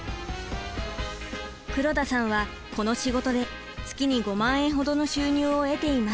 黒田さんはこの仕事で月に５万円ほどの収入を得ています。